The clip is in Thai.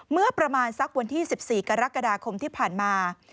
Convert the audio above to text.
เมื่อประมาณสักวันที่๑๔กรกฎาคมที่ผ่านมา